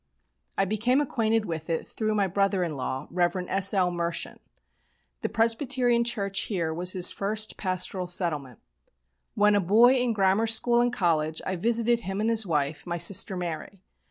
I became acquainted with it through my brother in law, Rev. S.L. Mershon. The Presbyterian church here was his first pastoral settlement. When a boy in grammar school and college I visited him and his wife, my sister Mary.